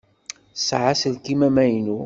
Tesɛa aselkim amaynu?